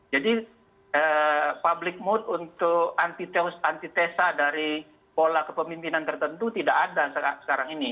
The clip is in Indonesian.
jadi public mood untuk antitesa dari pola kepemimpinan tertentu tidak ada sekarang ini